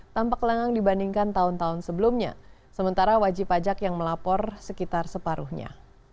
tampak lengang dibandingkan tahun tahun sebelumnya sementara wajib pajak yang melapor sekitar separuhnya